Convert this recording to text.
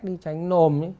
đi tránh nồm